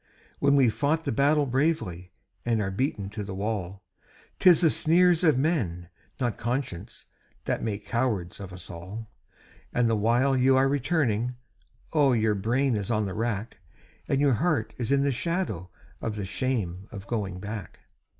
When we've fought the battle bravely and are beaten to the wall, 'Tis the sneers of men, not conscience, that make cowards of us all; And the while you are returning, oh! your brain is on the rack, And your heart is in the shadow of the shame of going back.